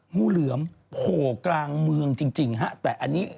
งูเหลือมโผล่กลางเมืองจริงฮะแต่อันนี้